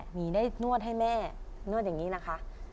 หีได้นวดให้แม่นวดอย่างนี้นะคะ